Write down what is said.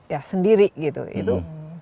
ya sendiri gitu itu